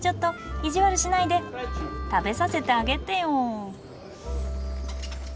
意地悪しないで食べさせてあげてよ。